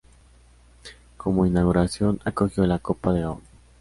Como inauguración, acogió la Copa de Gabón.